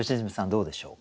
どうでしょうか？